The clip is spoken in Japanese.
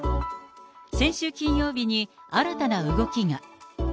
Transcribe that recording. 先週金曜日に新たな動きが。